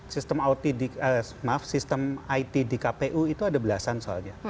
sistem it di kpu itu ada belasan soalnya